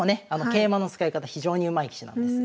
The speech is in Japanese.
桂馬の使い方非常にうまい棋士なんです。